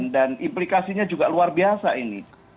dan implikasinya juga luar biasa ini